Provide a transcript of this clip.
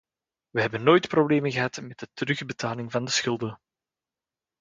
We hebben nooit problemen gehad met de terugbetaling van de schulden.